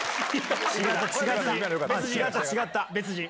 違った、違った、別人。